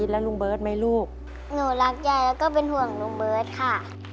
รักใหญ่และก็เป็นห่วงนุ่มเบิร์ตค่ะ